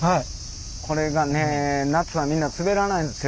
これがね夏はみんなすべらないんですよ。